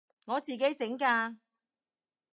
我自己整㗎